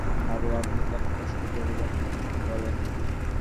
আরে, আপনি কেন কষ্ট করবেন?